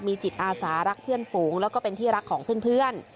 มีจิตอาสารักเพื่อนฝูงแล้วก็เป็นที่รักของเพื่อน